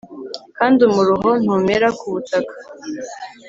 kandi umuruho ntumera ku butaka